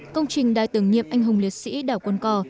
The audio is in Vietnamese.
công trình đài tưởng nghiệp anh hùng liệt sĩ đảo cồn cỏ